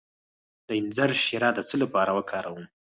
د انځر شیره د څه لپاره وکاروم؟